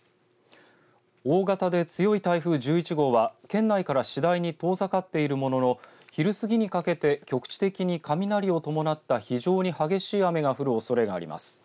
大型で強い台風１１号は県内から次第に遠ざかっているものの昼過ぎにかけて局地的に雷を伴った非常に激しい雨が降るおそれがあります。